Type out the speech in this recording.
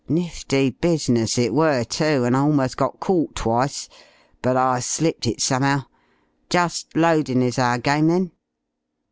Nifty business it were, too, and I almost got caught twice. But I slipped it somehow. Just loadin' is our game, then?"